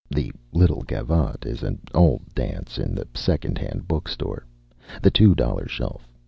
The little gavotte is an old dance in the second hand book store. The $2 shelf.